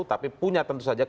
tapi punya tentu saja